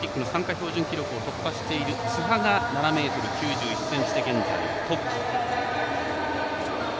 標準記録を突破している津波が７ｍ９１ｃｍで現在トップ。